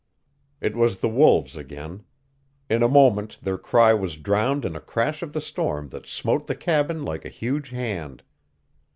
It was the wolves again. In a moment their cry was drowned in a crash of the storm that smote the cabin like a huge hand.